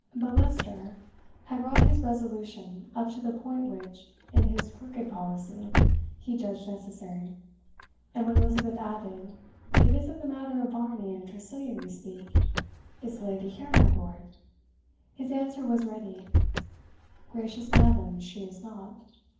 But Leicester had wrought his resolution up to the point which, in his crooked policy, he judged necessary; and when Elizabeth added, "it is of the matter of Varney and Tressilian we speak is the lady here, my lord?" his answer was ready "Gracious madam, she is not."